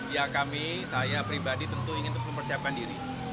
ya kami saya pribadi tentu ingin terus mempersiapkan diri